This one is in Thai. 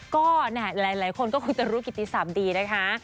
ก็หลายคนก็คงจะรู้กิติศัมดีนะคะ